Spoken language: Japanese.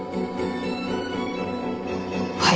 はい。